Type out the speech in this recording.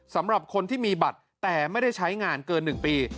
สำหรับคนที่มีบัตรแต่ไม่ได้ใช้งานเกิน๑ปี